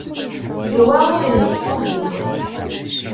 D wa i d lmektub-iw.